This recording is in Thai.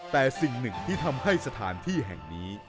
แต่สิ่งหนึ่งที่ทำให้สถานที่แห่งนี้